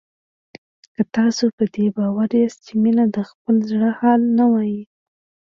که تاسو په دې باور یاست چې مينه د خپل زړه حال نه وايي